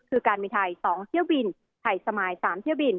คือการบินไทย๒เที่ยวบินไทยสมาย๓เที่ยวบิน